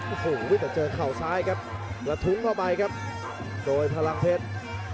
โอ้โหแต่เจอเข่าซ้ายครับกระทุ้งเข้าไปครับโดยพลังเพชร